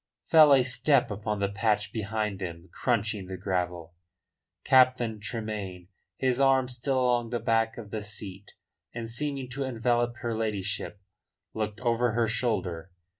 Fell a step upon the patch behind them crunching the gravel. Captain Tremayne, his arm still along the back of the seat, and seeming to envelop her ladyship, looked over her shoulder.